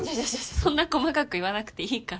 そんな細かく言わなくていいから。